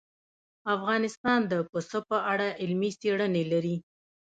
افغانستان د پسه په اړه علمي څېړنې لري.